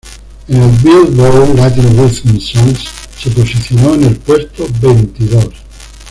En el "Billboard Latín Rhythm Songs" se posicionó en el puesto veintidós.